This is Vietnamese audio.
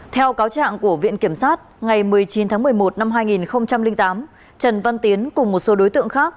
theo cáo trạng của viện kiểm sát ngày một mươi chín tháng một mươi một năm hai nghìn tám trần văn tiến cùng một số đối tượng khác